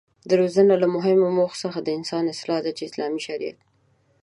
د روزنې له مهمو موخو څخه د انسانانو اصلاح ده چې اسلامي شريعت